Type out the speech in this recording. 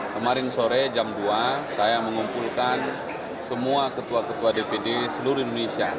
kemarin sore jam dua saya mengumpulkan semua ketua ketua dpd seluruh indonesia